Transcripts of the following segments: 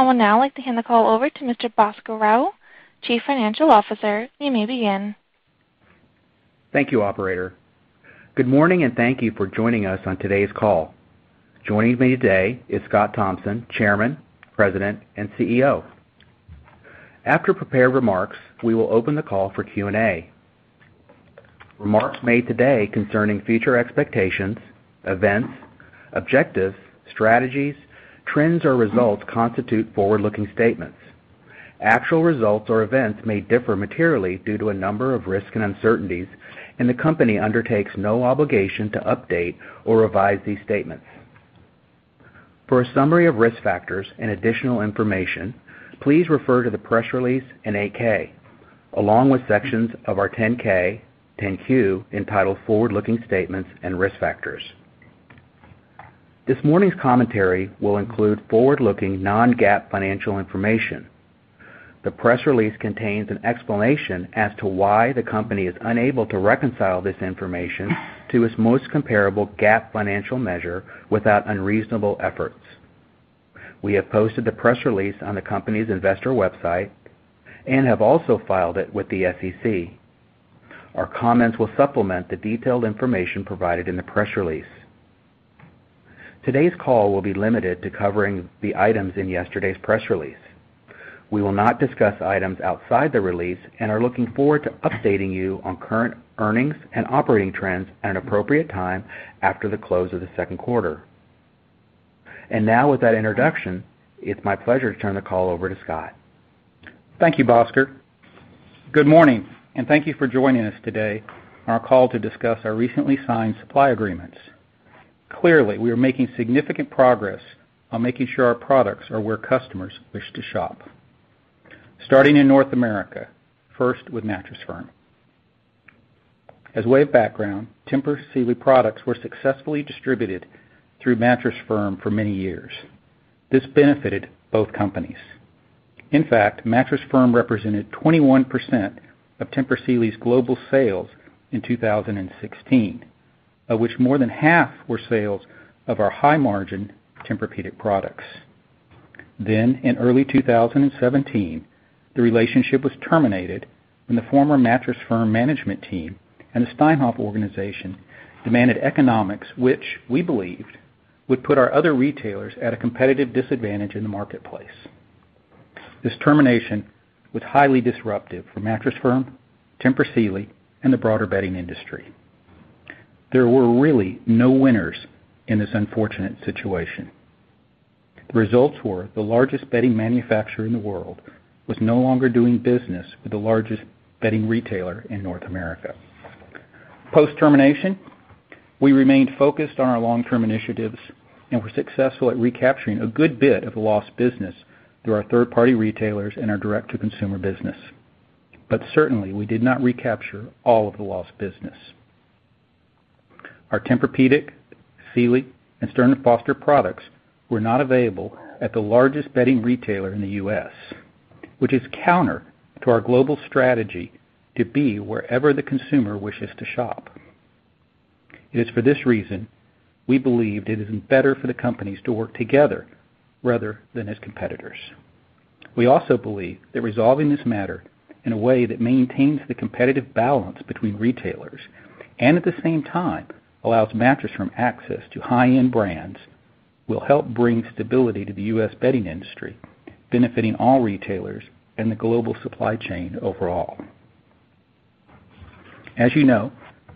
I will now like to hand the call over to Mr. Bhaskar Rao, Chief Financial Officer. You may begin. Thank you, operator. Good morning, and thank you for joining us on today's call. Joining me today is Scott Thompson, Chairman, President, and CEO. After prepared remarks, we will open the call for Q&A. Remarks made today concerning future expectations, events, objectives, strategies, trends, or results constitute forward-looking statements. Actual results or events may differ materially due to a number of risks and uncertainties, and the company undertakes no obligation to update or revise these statements. For a summary of risk factors and additional information, please refer to the press release and 8-K, along with sections of our 10-K, 10-Q, entitled Forward-Looking Statements and Risk Factors. This morning's commentary will include forward-looking non-GAAP financial information. The press release contains an explanation as to why the company is unable to reconcile this information to its most comparable GAAP financial measure without unreasonable efforts. We have posted the press release on the company's investor website and have also filed it with the SEC. Our comments will supplement the detailed information provided in the press release. Today's call will be limited to covering the items in yesterday's press release. We will not discuss items outside the release and are looking forward to updating you on current earnings and operating trends at an appropriate time after the close of the second quarter. Now, with that introduction, it's my pleasure to turn the call over to Scott. Thank you, Bhaskar. Good morning, and thank you for joining us today on our call to discuss our recently signed supply agreements. Clearly, we are making significant progress on making sure our products are where customers wish to shop. Starting in North America, first with Mattress Firm. As way of background, Tempur Sealy products were successfully distributed through Mattress Firm for many years. This benefited both companies. In fact, Mattress Firm represented 21% of Tempur Sealy's global sales in 2016, of which more than half were sales of our high-margin Tempur-Pedic products. In early 2017, the relationship was terminated when the former Mattress Firm management team and the Steinhoff organization demanded economics, which we believed would put our other retailers at a competitive disadvantage in the marketplace. This termination was highly disruptive for Mattress Firm, Tempur Sealy, and the broader bedding industry. There were really no winners in this unfortunate situation. The results were the largest bedding manufacturer in the world was no longer doing business with the largest bedding retailer in North America. Post-termination, we remained focused on our long-term initiatives and were successful at recapturing a good bit of the lost business through our third-party retailers and our direct-to-consumer business. Certainly, we did not recapture all of the lost business. Our Tempur-Pedic, Sealy, and Stearns & Foster products were not available at the largest bedding retailer in the U.S., which is counter to our global strategy to be wherever the consumer wishes to shop. It is for this reason we believed it is better for the companies to work together rather than as competitors. We also believe that resolving this matter in a way that maintains the competitive balance between retailers and at the same time allows Mattress Firm access to high-end brands will help bring stability to the U.S. bedding industry, benefiting all retailers and the global supply chain overall. As you know,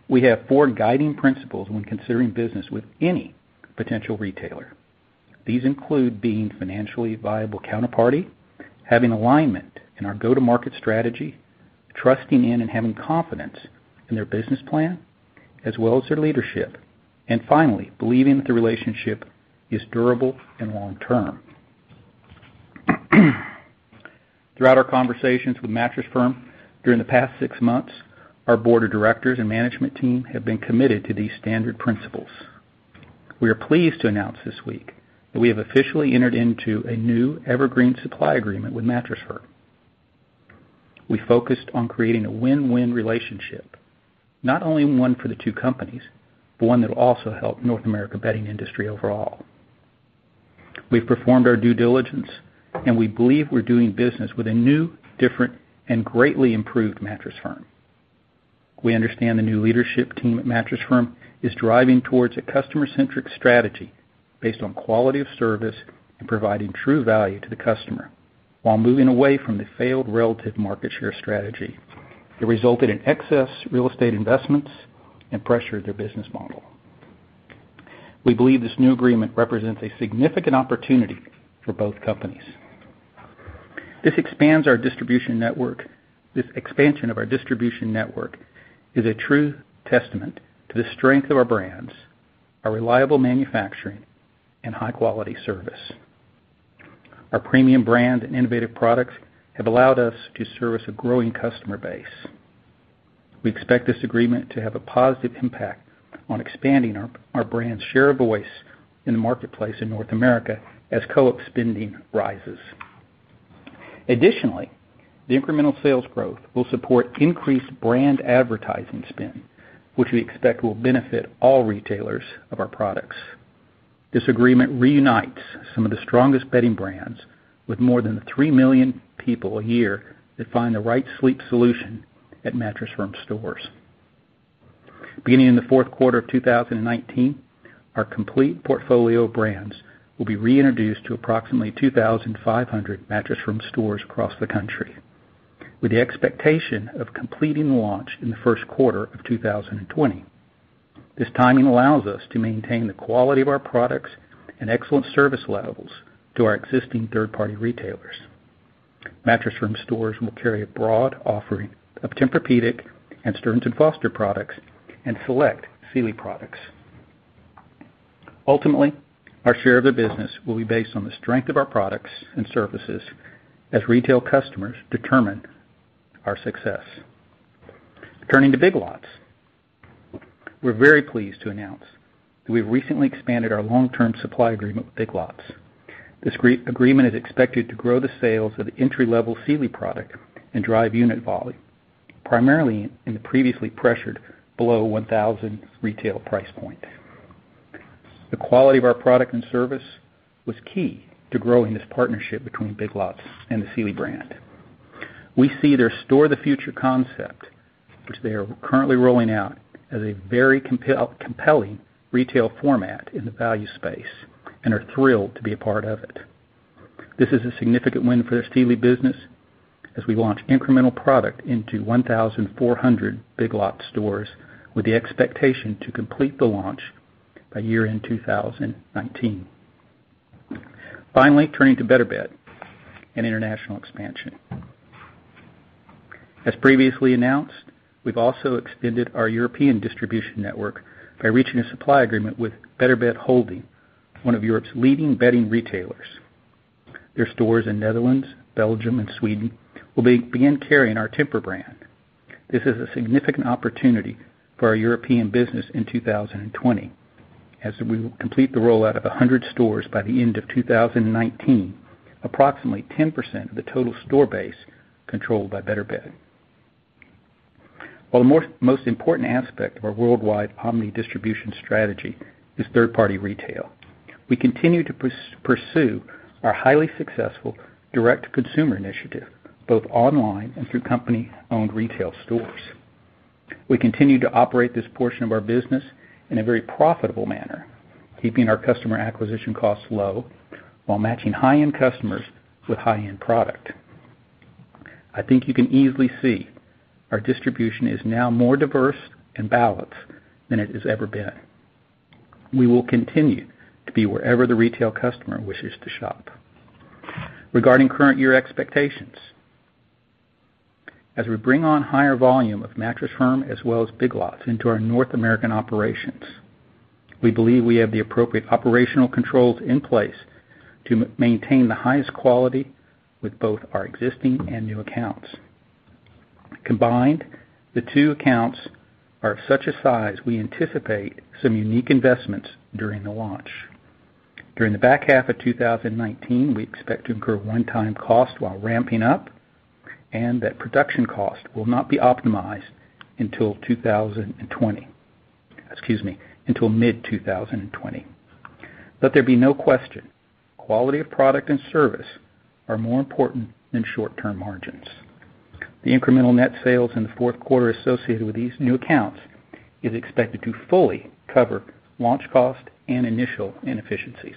we have four guiding principles when considering business with any potential retailer. These include being financially viable counterparty, having alignment in our go-to-market strategy, trusting in and having confidence in their business plan, as well as their leadership and finally, believing that the relationship is durable and long term. Throughout our conversations with Mattress Firm during the past six months, our board of directors and management team have been committed to these standard principles. We are pleased to announce this week that we have officially entered into a new evergreen supply agreement with Mattress Firm. We focused on creating a win-win relationship, not only one for the two companies, but one that'll also help North America bedding industry overall. We've performed our due diligence, and we believe we're doing business with a new, different, and greatly improved Mattress Firm. We understand the new leadership team at Mattress Firm is driving towards a customer-centric strategy based on quality of service and providing true value to the customer while moving away from the failed relative market share strategy that resulted in excess real estate investments and pressured their business model. We believe this new agreement represents a significant opportunity for both companies. This expands our distribution network. This expansion of our distribution network is a true testament to the strength of our brands, our reliable manufacturing, and high-quality service. Our premium brand and innovative products have allowed us to service a growing customer base. We expect this agreement to have a positive impact on expanding our brand's share of voice in the marketplace in North America as co-op spending rises. The incremental sales growth will support increased brand advertising spend, which we expect will benefit all retailers of our products. This agreement reunites some of the strongest bedding brands with more than 3 million people a year that find the right sleep solution at Mattress Firm stores. Beginning in the fourth quarter of 2019, our complete portfolio of brands will be reintroduced to approximately 2,500 Mattress Firm stores across the country, with the expectation of completing the launch in the first quarter of 2020. This timing allows us to maintain the quality of our products and excellent service levels to our existing third-party retailers. Mattress Firm stores will carry a broad offering of Tempur-Pedic and Stearns & Foster products and select Sealy products. Ultimately, our share of the business will be based on the strength of our products and services as retail customers determine our success. Turning to Big Lots. We're very pleased to announce that we've recently expanded our long-term supply agreement with Big Lots. This agreement is expected to grow the sales of the entry-level Sealy product and drive unit volume, primarily in the previously pressured below $1,000 retail price point. The quality of our product and service was key to growing this partnership between Big Lots and the Sealy brand. We see their Store of the Future concept, which they are currently rolling out, as a very compelling retail format in the value space and are thrilled to be a part of it. This is a significant win for the Sealy business as we launch incremental product into 1,400 Big Lots stores with the expectation to complete the launch by year-end 2019. Turning to Beter Bed and international expansion. As previously announced, we've also extended our European distribution network by reaching a supply agreement with Beter Bed Holding, one of Europe's leading bedding retailers. Their stores in Netherlands, Belgium, and Sweden will begin carrying our Tempur brand. This is a significant opportunity for our European business in 2020 as we will complete the rollout of 100 stores by the end of 2019, approximately 10% of the total store base controlled by Beter Bed. While the most important aspect of our worldwide omni-distribution strategy is third-party retail, we continue to pursue our highly successful direct-to-consumer initiative, both online and through company-owned retail stores. We continue to operate this portion of our business in a very profitable manner, keeping our customer acquisition costs low while matching high-end customers with high-end product. I think you can easily see our distribution is now more diverse and balanced than it has ever been. We will continue to be wherever the retail customer wishes to shop. Regarding current year expectations. As we bring on higher volume of Mattress Firm as well as Big Lots into our North American operations, we believe we have the appropriate operational controls in place to maintain the highest quality with both our existing and new accounts. Combined, the two accounts are of such a size we anticipate some unique investments during the launch. During the back half of 2019, we expect to incur one-time costs while ramping up, and that production cost will not be optimized until 2020. Excuse me, until mid-2020. Let there be no question, quality of product and service are more important than short-term margins. The incremental net sales in the fourth quarter associated with these new accounts is expected to fully cover launch cost and initial inefficiencies.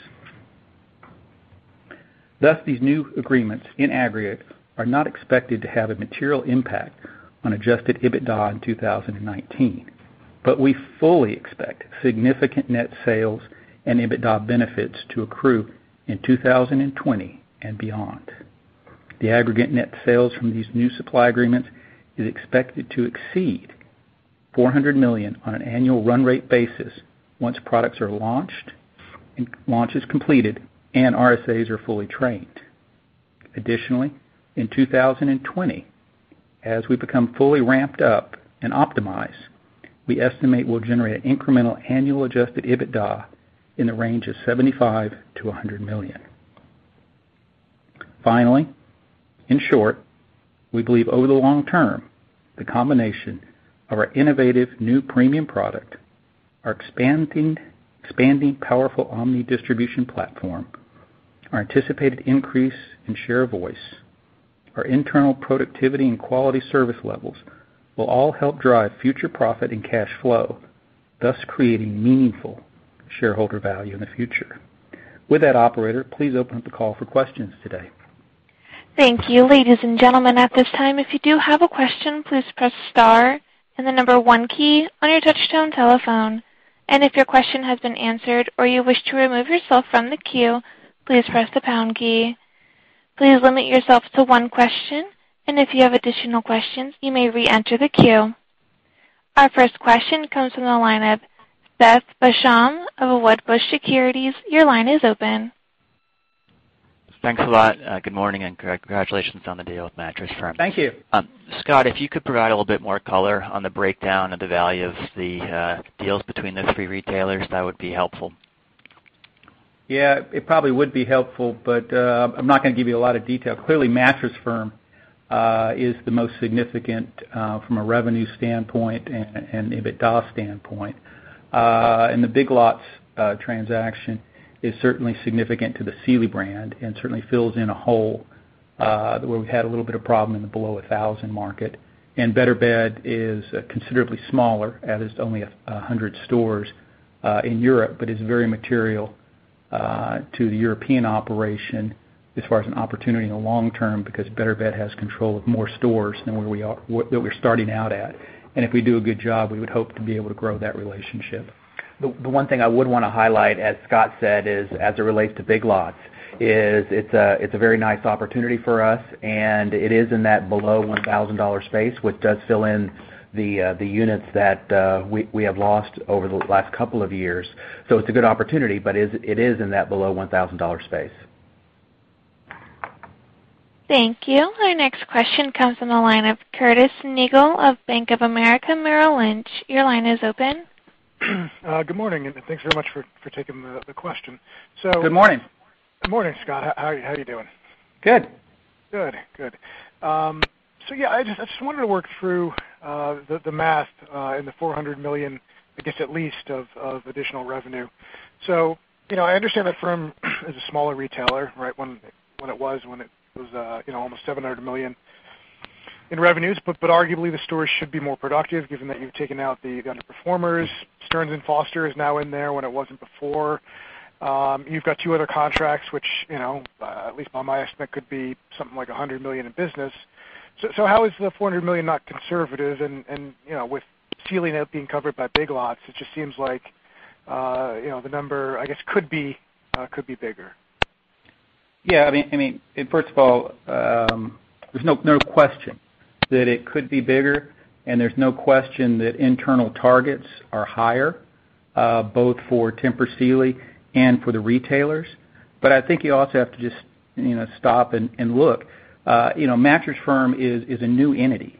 Thus, these new agreements in aggregate are not expected to have a material impact on adjusted EBITDA in 2019, we fully expect significant net sales and EBITDA benefits to accrue in 2020 and beyond. The aggregate net sales from these new supply agreements is expected to exceed $400 million on an annual run rate basis once products are launched and launch is completed and RSAs are fully trained. Additionally, in 2020, as we become fully ramped up and optimized, we estimate we'll generate an incremental annual adjusted EBITDA in the range of $75 million-$100 million. Finally, in short, we believe over the long term, the combination of our innovative new premium product, our expanding powerful omni-distribution platform, our anticipated increase in share of voice, our internal productivity and quality service levels will all help drive future profit and cash flow, thus creating meaningful shareholder value in the future. With that, operator, please open up the call for questions today. Thank you. Ladies and gentlemen, at this time, if you do have a question, please press star and the number one key on your touchtone telephone. If your question has been answered or you wish to remove yourself from the queue, please press the pound key. Please limit yourself to one question, and if you have additional questions, you may reenter the queue. Our first question comes from the line of Seth Basham of Wedbush Securities. Your line is open. Thanks a lot. Good morning, and congratulations on the deal with Mattress Firm. Thank you. Scott, if you could provide a little bit more color on the breakdown of the value of the deals between those three retailers, that would be helpful. Yeah, it probably would be helpful, but I'm not gonna give you a lot of detail. Clearly, Mattress Firm is the most significant from a revenue standpoint and an EBITDA standpoint. The Big Lots transaction is certainly significant to the Sealy brand and certainly fills in a hole where we had a little bit of problem in the below $1,000 market. Beter Bed is considerably smaller, as it's only 100 stores in Europe, but is very material to the European operation as far as an opportunity in the long term because Beter Bed has control of more stores than where we're starting out at. If we do a good job, we would hope to be able to grow that relationship. The one thing I would wanna highlight, as Scott said, is as it relates to Big Lots, it's a very nice opportunity for us, and it is in that below $1,000 space, which does fill in the units that we have lost over the last couple of years. It's a good opportunity, but it is in that below $1,000 space. Thank you. Our next question comes from the line of Curtis Nagle of Bank of America Merrill Lynch. Your line is open. Good morning, thanks very much for taking the question. Good morning. Good morning, Scott. How are you doing? Good. Good. Good. Yeah, I just, I just wanted to work through the math in the $400 million, I guess, at least of additional revenue. You know, I understand that Mattress Firm is a smaller retailer, right? When it was, you know, almost $700 million in revenues, but arguably the stores should be more productive given that you've taken out the underperformers. Stearns & Foster is now in there when it wasn't before. You've got two other contracts which, you know, at least by my estimate, could be something like $100 million in business. How is the $400 million not conservative? You know, with Sealy now being covered by Big Lots, it just seems like, you know, the number, I guess, could be bigger. I mean, first of all, there's no question that it could be bigger, and there's no question that internal targets are higher, both for Tempur Sealy and for the retailers. I think you also have to just, you know, stop and look. You know, Mattress Firm is a new entity.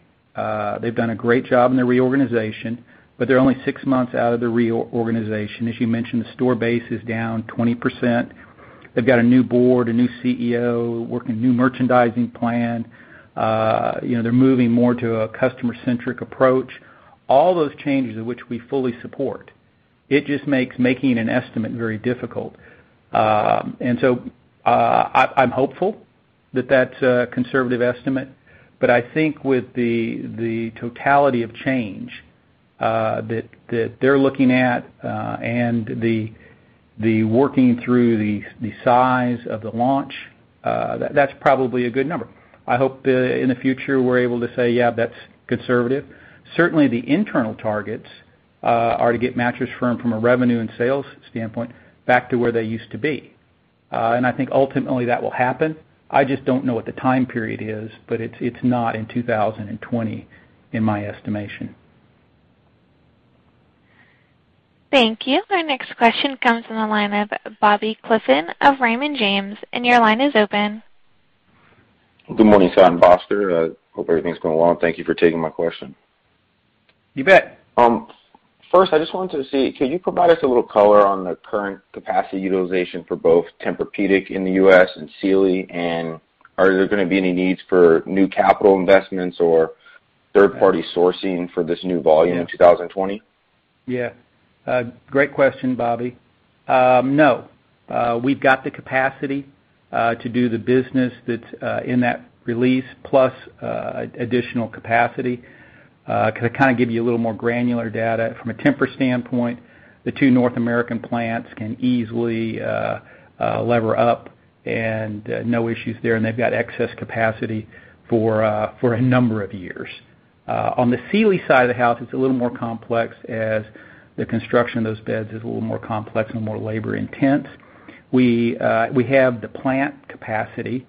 They've done a great job in their reorganization, but they're only six months out of the reorganization. As you mentioned, the store base is down 20%. They've got a new board, a new CEO, working a new merchandising plan. You know, they're moving more to a customer-centric approach. All those changes of which we fully support, it just makes making an estimate very difficult. I'm hopeful that that's a conservative estimate, but I think with the totality of change that they're looking at and the working through the size of the launch, that's probably a good number. I hope that in the future, we're able to say, "Yeah, that's conservative." Certainly, the internal targets are to get Mattress Firm from a revenue and sales standpoint back to where they used to be. I think ultimately that will happen. I just don't know what the time period is, but it's not in 2020 in my estimation. Thank you. Our next question comes from the line of Bobby Griffin of Raymond James. Your line is open. Good morning, Scott and Bhaskar. Hope everything's going well. Thank you for taking my question. You bet. First, I just wanted to see, could you provide us a little color on the current capacity utilization for both Tempur-Pedic in the U.S. and Sealy? Are there gonna be any needs for new capital investments or third-party sourcing for this new volume in 2020? Yeah. Great question, Bobby Griffin. No. We've got the capacity to do the business that's in that release plus additional capacity. Can I kind of give you a little more granular data? From a Tempur standpoint, the two North American plants can easily lever up and no issues there, and they've got excess capacity for a number of years. On the Sealy side of the house, it's a little more complex as the construction of those beds is a little more complex and more labor intense. We have the plant capacity.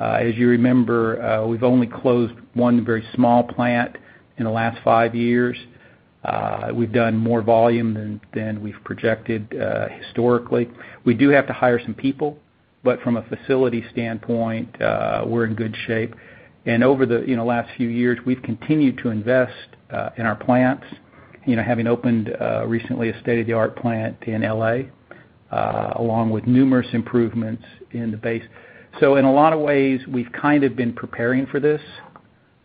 As you remember, we've only closed one very small plant in the last five years. We've done more volume than we've projected historically. We do have to hire some people. From a facility standpoint, we're in good shape. Over the, you know, last few years, we've continued to invest in our plants, you know, having opened recently a state-of-the-art plant in L.A. along with numerous improvements in the base. In a lot of ways, we've kind of been preparing for this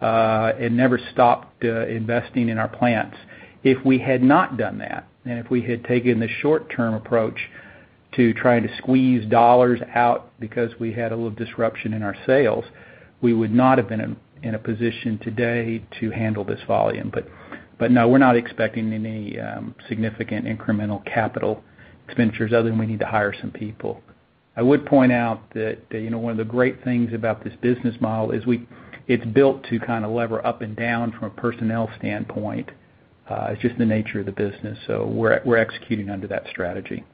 and never stopped investing in our plants. If we had not done that, and if we had taken the short-term approach to trying to squeeze dollars out because we had a little disruption in our sales, we would not have been in a position today to handle this volume. No, we're not expecting any significant incremental capital expenditures other than we need to hire some people. I would point out that, you know, one of the great things about this business model is it's built to kind of lever up and down from a personnel standpoint. It's just the nature of the business, so we're executing under that strategy.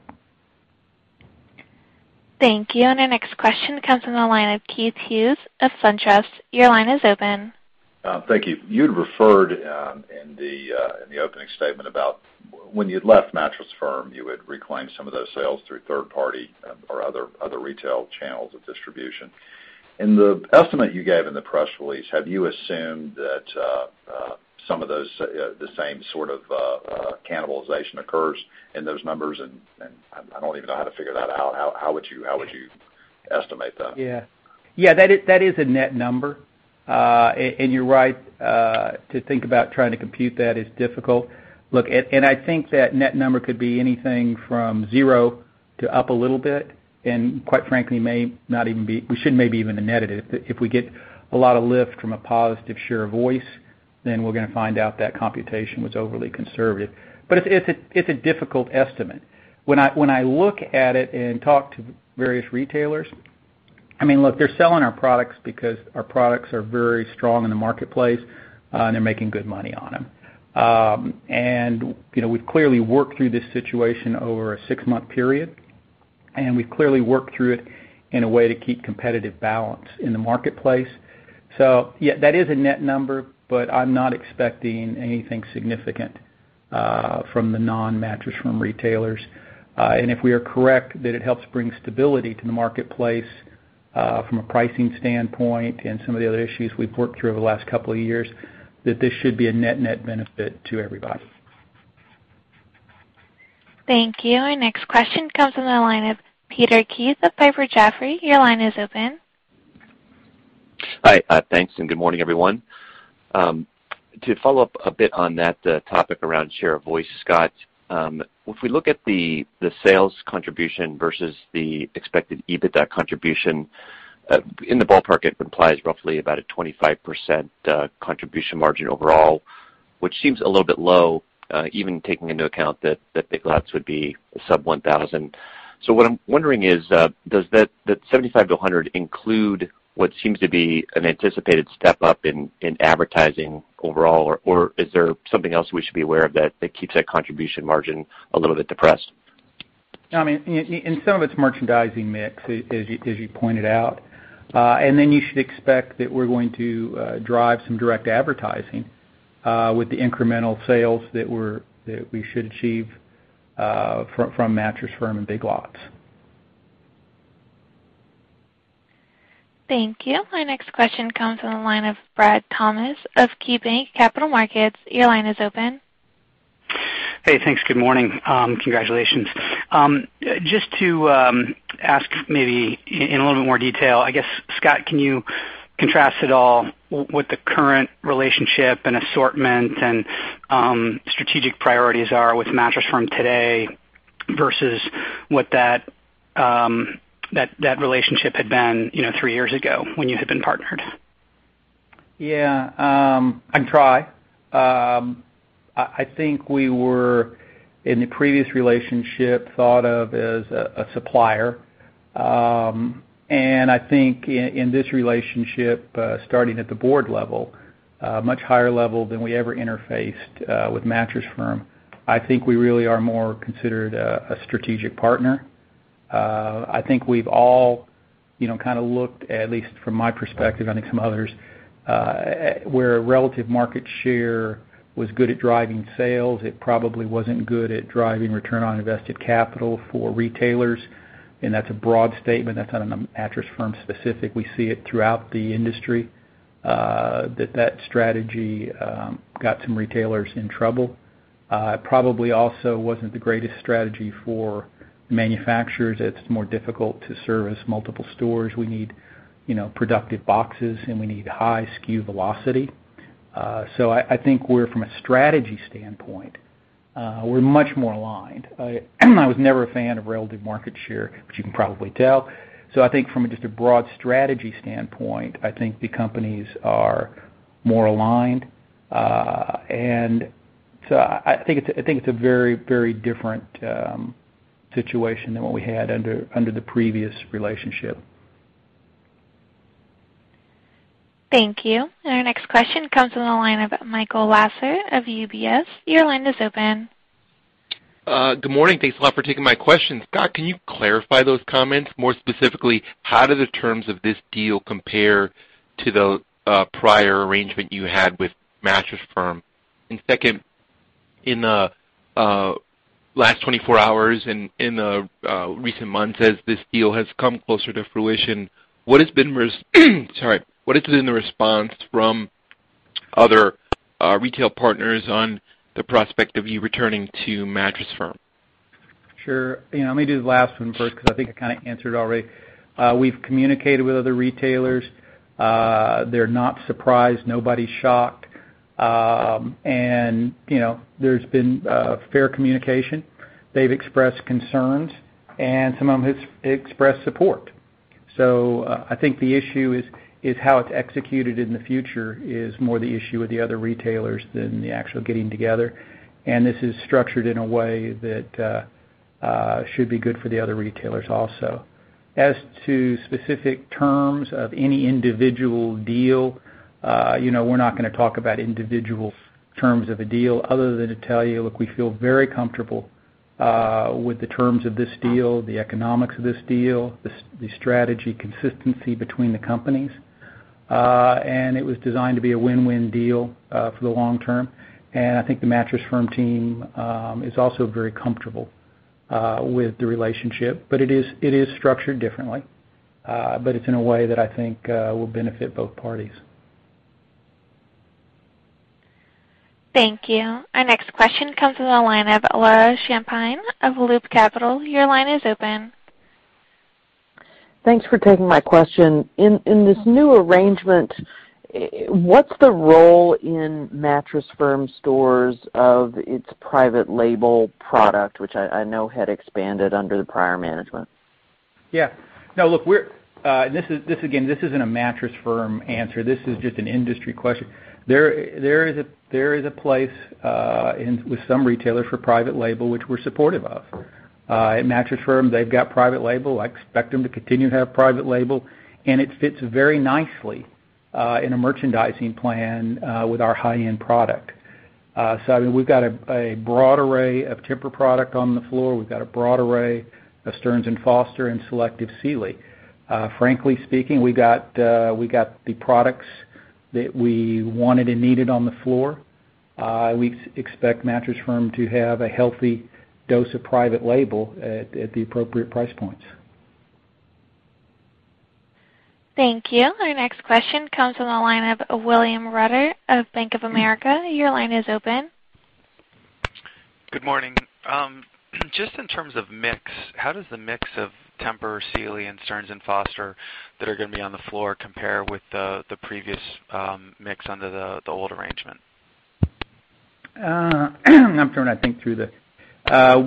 Thank you. Our next question comes from the line of Keith Hughes of SunTrust. Your line is open. Thank you. You had referred in the opening statement about when you'd left Mattress Firm, you would reclaim some of those sales through third party or other retail channels of distribution. In the estimate you gave in the press release, have you assumed that some of those, the same sort of, cannibalization occurs in those numbers? I don't even know how to figure that out. How would you estimate that? Yeah, that is a net number. You're right to think about trying to compute that is difficult. Look, I think that net number could be anything from zero to up a little bit, and quite frankly, we shouldn't maybe even have netted it. If we get a lot of lift from a positive share of voice, then we're going to find out that computation was overly conservative. It's a difficult estimate. When I look at it and talk to various retailers I mean, look, they're selling our products because our products are very strong in the marketplace, and they're making good money on them. You know, we've clearly worked through this situation over a six-month period, and we've clearly worked through it in a way to keep competitive balance in the marketplace. Yeah, that is a net number, but I'm not expecting anything significant from the non-Mattress Firm retailers. If we are correct that it helps bring stability to the marketplace, from a pricing standpoint and some of the other issues we've worked through over the last couple of years, that this should be a net-net benefit to everybody. Thank you. Our next question comes from the line of Peter Keith of Piper Sandler. Your line is open. Hi. Thanks, good morning, everyone. To follow up a bit on that topic around share of voice, Scott, if we look at the sales contribution versus the expected EBITDA contribution, in the ballpark, it implies roughly about a 25% contribution margin overall, which seems a little bit low, even taking into account that Big Lots would be a sub 1,000. What I'm wondering is, does that $75-$100 include what seems to be an anticipated step up in advertising overall or is there something else we should be aware of that keeps that contribution margin a little bit depressed? I mean, some of it's merchandising mix, as you pointed out. You should expect that we're going to drive some direct advertising with the incremental sales that we should achieve from Mattress Firm and Big Lots. Thank you. Our next question comes from the line of Bradley Thomas of KeyBanc Capital Markets. Your line is open. Hey, thanks. Good morning. Congratulations. Just to ask in a little bit more detail, I guess, Scott, can you contrast at all what the current relationship and assortment and strategic priorities are with Mattress Firm today versus what that relationship had been, you know, 3 years ago when you had been partnered? Yeah, I can try. I think we were, in the previous relationship, thought of as a supplier. I think in this relationship, starting at the board level, much higher level than we ever interfaced with Mattress Firm, I think we really are more considered a strategic partner. I think we've all, you know, kind of looked, at least from my perspective, I think some others, where relative market share was good at driving sales. It probably wasn't good at driving return on invested capital for retailers, and that's a broad statement. That's not on the Mattress Firm specific. We see it throughout the industry, that that strategy got some retailers in trouble. It probably also wasn't the greatest strategy for manufacturers. It's more difficult to service multiple stores. We need, you know, productive boxes, and we need high SKU velocity. I think we're from a strategy standpoint, we're much more aligned. I was never a fan of relative market share, but you can probably tell. I think from just a broad strategy standpoint, I think the companies are more aligned. I think it's, I think it's a very, very different situation than what we had under the previous relationship. Thank you. Our next question comes from the line of Michael Lasser of UBS. Your line is open. Good morning. Thanks a lot for taking my questions. Scott, can you clarify those comments? More specifically, how do the terms of this deal compare to the prior arrangement you had with Mattress Firm? Second, in the last 24 hours and in the recent months as this deal has come closer to fruition, what has been the response from other retail partners on the prospect of you returning to Mattress Firm? Sure. You know, let me do the last one first because I think I kind of answered already. We've communicated with other retailers. They're not surprised, nobody's shocked. You know, there's been fair communication. They've expressed concerns and some of them has expressed support. I think the issue is how it's executed in the future is more the issue with the other retailers than the actual getting together. This is structured in a way that should be good for the other retailers also. As to specific terms of any individual deal, you know, we're not gonna talk about individual terms of a deal other than to tell you, look, we feel very comfortable with the terms of this deal, the economics of this deal, the strategy consistency between the companies. It was designed to be a win-win deal for the long term. I think the Mattress Firm team is also very comfortable with the relationship. It is structured differently, but it's in a way that I think will benefit both parties. Thank you. Our next question comes from the line of Laura Champine of Loop Capital. Your line is open. Thanks for taking my question. In this new arrangement, what's the role in Mattress Firm stores of its private label product, which I know had expanded under the prior management? Yeah. Now look, this is, this again, this isn't a Mattress Firm answer, this is just an industry question. There is a place with some retailers for private label, which we're supportive of. At Mattress Firm, they've got private label. I expect them to continue to have private label, and it fits very nicely in a merchandising plan with our high-end product. I mean, we've got a broad array of Tempur product on the floor. We've got a broad array of Stearns & Foster and selective Sealy. Frankly speaking, we got the products that we wanted and needed on the floor. We expect Mattress Firm to have a healthy dose of private label at the appropriate price points. Thank you. Our next question comes from the line of William Reuter of Bank of America. Your line is open. Good morning. Just in terms of mix, how does the mix of Tempur, Sealy, and Stearns & Foster that are gonna be on the floor compare with the previous mix under the old arrangement?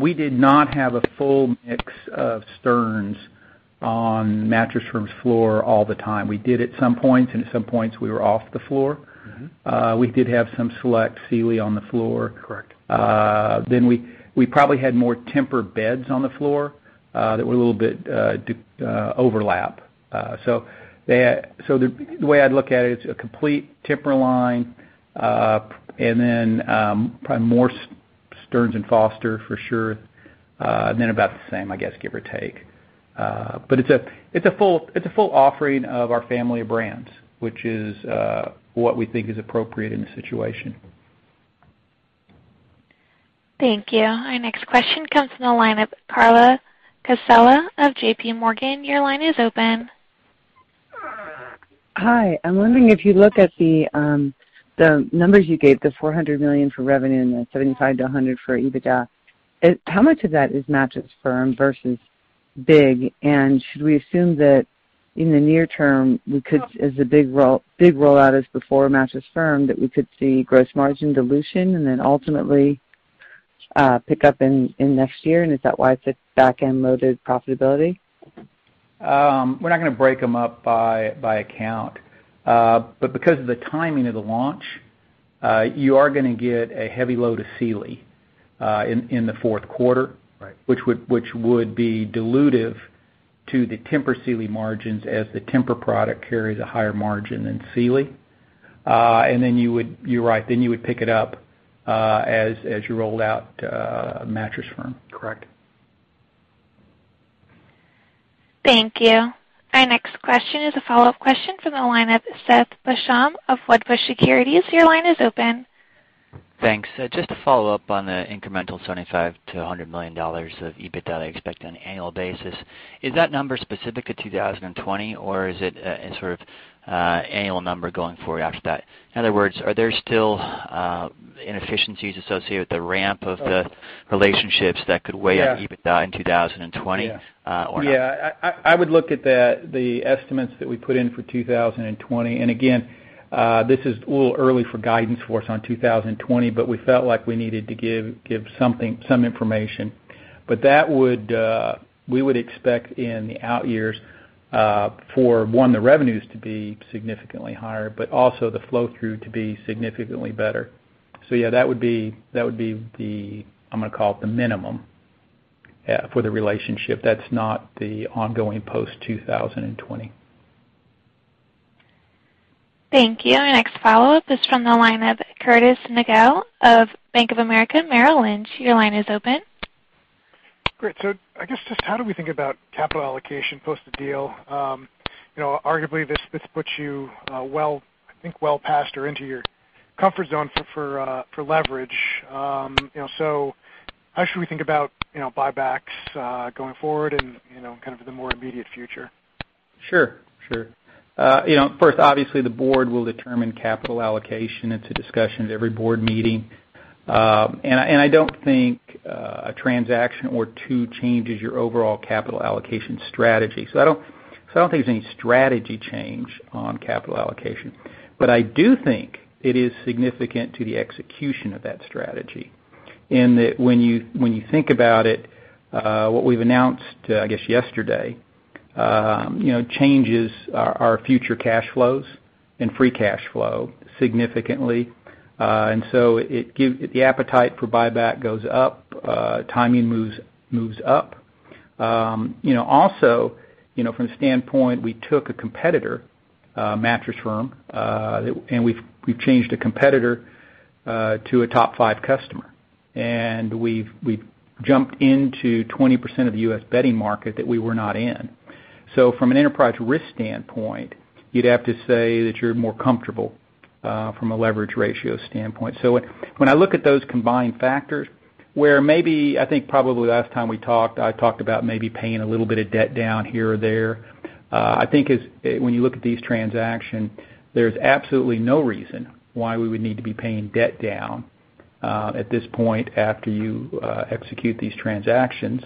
We did not have a full mix of Stearns on Mattress Firm's floor all the time. We did at some points, and at some points we were off the floor. We did have some select Sealy on the floor. Correct. We probably had more Tempur beds on the floor that were a little bit overlap. The way I'd look at it's a complete Tempur line, and then probably more Stearns & Foster for sure, and then about the same, I guess, give or take. It's a full offering of our family of brands, which is what we think is appropriate in the situation. Thank you. Our next question comes from the line of Carla Casella of JPMorgan. Your line is open. Hi. I'm wondering if you look at the numbers you gave, the $400 million for revenue and the $75 million-$100 million for EBITDA, how much of that is Mattress Firm versus Big? Should we assume that in the near term we could, as the big rollout is before Mattress Firm, that we could see gross margin dilution and then ultimately pick up in next year and is that why it's a backend loaded profitability? We're not gonna break them up by account. Because of the timing of the launch, you are gonna get a heavy load of Sealy in the fourth quarter. Right. Which would be dilutive to the Tempur Sealy margins as the Tempur product carries a higher margin than Sealy. Then you're right, then you would pick it up as you rolled out Mattress Firm. Correct. Thank you. Our next question is a follow-up question from the line of Seth Basham of Wedbush Securities. Your line is open. Thanks. Just to follow up on the incremental $75 million-$100 million of EBITDA expected on an annual basis, is that number specific to 2020, or is it a sort of annual number going forward after that? In other words, are there still inefficiencies associated with the ramp of the relationships that could weigh on? Yeah. EBITDA in two thousand and twenty? Yeah. Or not? Yeah. I would look at the estimates that we put in for 2020. Again, this is a little early for guidance for us on 2020, but we felt like we needed to give something, some information. We would expect in the out years, for one, the revenues to be significantly higher, but also the flow through to be significantly better. Yeah, that would be the, I'm gonna call it the minimum for the relationship. That's not the ongoing post-2020. Thank you. Our next follow-up is from the line of Curtis Nagle of Bank of America Merrill Lynch. Your line is open. Great. I guess just how do we think about capital allocation post the deal? You know, arguably this puts you, well, I think well past or into your comfort zone for leverage. You know, how should we think about, you know, buybacks going forward and, you know, kind of the more immediate future? Sure. Sure. You know, first, obviously the board will determine capital allocation. It's a discussion at every board meeting. I don't think a transaction or two changes your overall capital allocation strategy. I don't think there's any strategy change on capital allocation. I do think it is significant to the execution of that strategy in that when you think about it, what we've announced, I guess yesterday, you know, changes our future cash flows and free cash flow significantly. The appetite for buyback goes up, timing moves up. You know, also, you know, from the standpoint we took a competitor, Mattress Firm, and we've changed a competitor to a top five customer. We've jumped into 20% of the U.S. bedding market that we were not in. From an enterprise risk standpoint, you'd have to say that you're more comfortable from a leverage ratio standpoint. When I look at those combined factors, where maybe I think probably the last time we talked, I talked about maybe paying a little bit of debt down here or there. I think when you look at these transactions, there's absolutely no reason why we would need to be paying debt down at this point after you execute these transactions.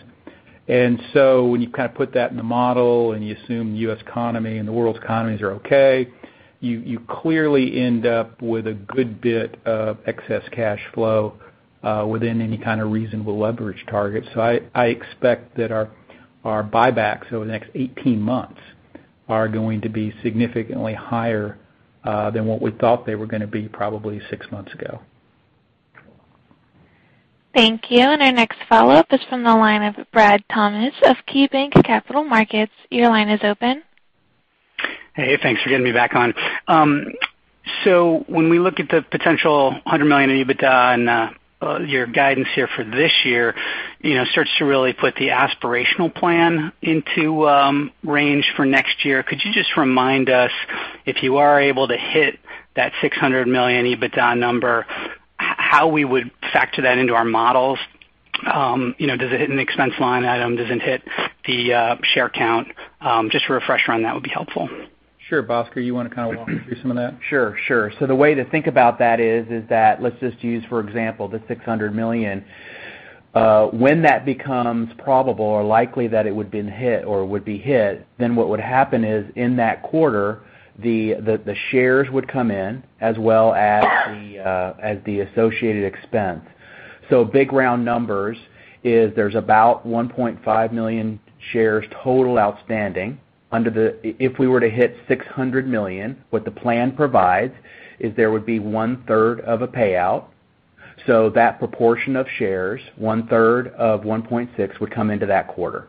When you kind of put that in the model and you assume the U.S. economy and the world's economies are okay, you clearly end up with a good bit of excess cash flow within any kind of reasonable leverage target. I expect that our buybacks over the next 18 months are going to be significantly higher than what we thought they were gonna be probably 6 months ago. Thank you. Our next follow-up is from the line of Bradley Thomas of KeyBanc Capital Markets. Your line is open. Hey, thanks for getting me back on. When we look at the potential $100 million EBITDA and your guidance here for this year, you know, starts to really put the aspirational plan into range for next year. Could you just remind us, if you are able to hit that $600 million EBITDA number, how we would factor that into our models? You know, does it hit an expense line item? Does it hit the share count? Just a refresher on that would be helpful. Sure. Bhaskar, you wanna kind of walk me through some of that? Sure, sure. The way to think about that is that let's just use, for example, the $600 million. When that becomes probable or likely that it would been hit or would be hit, then what would happen is, in that quarter, the shares would come in as well as the associated expense. Big round numbers is there's about 1.5 million shares total outstanding under the If we were to hit $600 million, what the plan provides is there would be one-third of a payout. That proportion of shares, one-third of 1.6, would come into that quarter.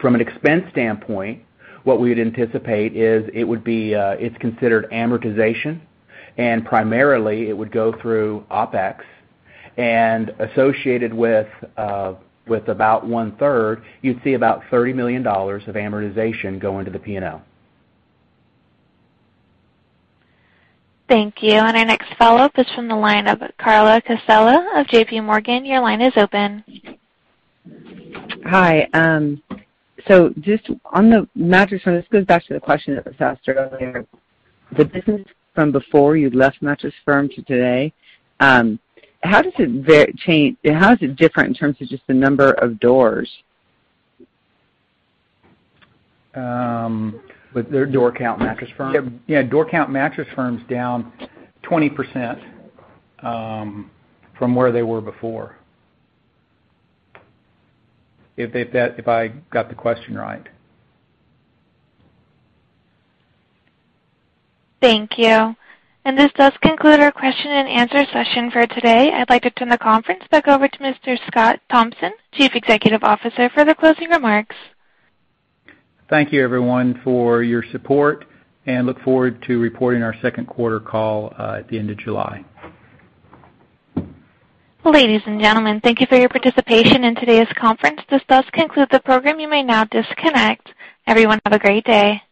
From an expense standpoint, what we would anticipate is it would be, it's considered amortization, and primarily it would go through OpEx. associated with about one-third, you'd see about $30 million of amortization go into the P&L. Thank you. Our next follow-up is from the line of Carla Casella of JPMorgan. Your line is open. Hi. Just on the Mattress Firm, this goes back to the question that was asked earlier. The business from before you left Mattress Firm to today, how is it different in terms of just the number of doors? With their door count Mattress Firm? Door count Mattress Firm's down 20%, from where they were before. If I got the question right. Thank you. This does conclude our question-and-answer session for today. I'd like to turn the conference back over to Mr. Scott Thompson, Chief Executive Officer, for the closing remarks. Thank you, everyone, for your support. Look forward to reporting our second quarter call at the end of July. Ladies and gentlemen, thank you for your participation in today's conference. This does conclude the program. You may now disconnect. Everyone, have a great day.